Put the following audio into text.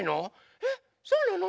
えそうなの？